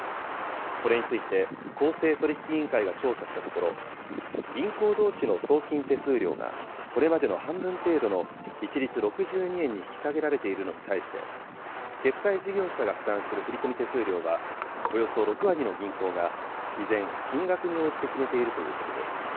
これについて、公正取引委員会が調査したところ、銀行どうしの送金手数料が、これまでの半分程度の一律６２円に引き下げられているのに対して、決済事業者が負担する振り込み手数料は、およそ６割の銀行が依然金額に応じて決めているということです。